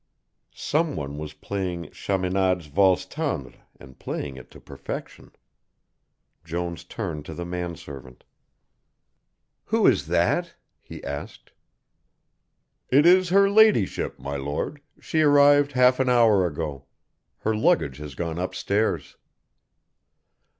Someone was playing Chaminade's Valse Tendre and playing it to perfection. Jones turned to the man servant. "Who is that?" he asked. "It is her ladyship, my Lord, she arrived half an hour ago. Her luggage has gone upstairs."